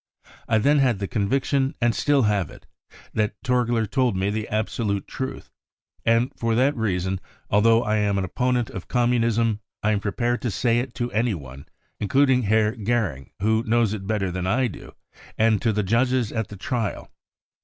I then had the conviction, and still have it, that Torgler told me the absolute truth. And for that reason, although I am an opponent of Com maoism, I am prepared to say it to anyone, including Herr Goering, who knows it better than I do, and to the judges at the trial.